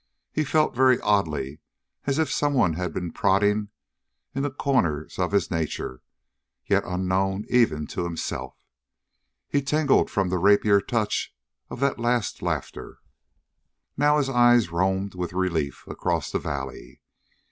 He felt very oddly as if someone had been prodding into corners of his nature yet unknown even to himself. He tingled from the rapier touches of that last laughter. Now his eyes roamed with relief across the valley.